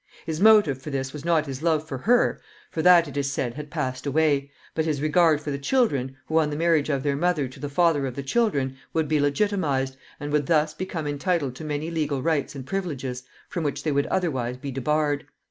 His motive for this was not his love for her, for that, it is said, had passed away, but his regard for the children, who, on the marriage of their mother to the father of the children, would be legitimatized, and would thus become entitled to many legal rights and privileges from which they would otherwise be debarred.